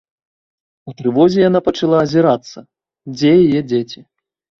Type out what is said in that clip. У трывозе яна пачала азірацца, дзе яе дзеці.